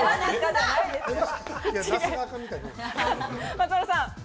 松丸さん。